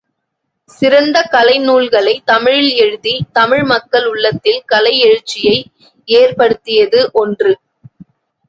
சிறந்த கலை நூல்களை தமிழில் எழுதி தமிழ் மக்கள் உள்ளத்தில் கலை எழுச்சியை ஏற்படுத்தியது ஒன்று.